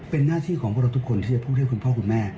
เป็นหน้าที่ของพวกเราทุกคนที่จะพูดให้คุณพ่อคุณแม่